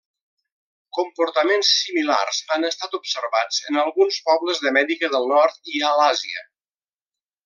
Comportaments similars han estat observats en alguns pobles d'Amèrica del Nord i a l'Àsia.